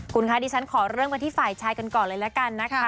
คุณคะดิฉันขอเริ่มกันที่ฝ่ายชายกันก่อนเลยละกันนะคะ